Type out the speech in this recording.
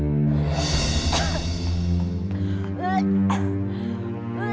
ikut saya ke ruangan sebelah